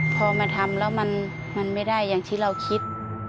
พอมาทำแล้วมันไม่ได้อย่างที่เราคิด